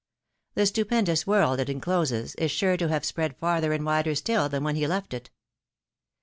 The stupendous world it incloses, is sure to have spread farther and wider stiU, than when he left it.